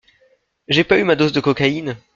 J'ai pas eu ma dose de cocaïne.